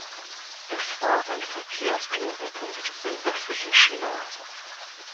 Es war ein Verkehrsknotenpunkt im westlichen China.